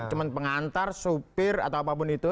cuma pengantar supir atau apapun itu